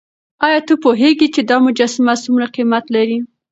ایا ته پوهېږې چې دا مجسمه څومره قیمت لري؟